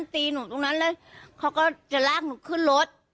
ตีหนูตรงนั้นเลยเขาก็จะลากหนูขึ้นรถ